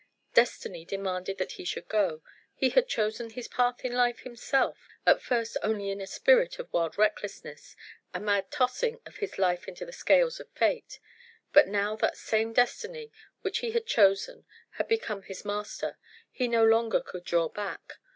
Destiny demanded that he should go. He had chosen his path in life himself, at first only in a spirit of wild recklessness, a mad tossing of his life into the scales of Fate. But now that same destiny which he had chosen had become his master: he no longer could draw back.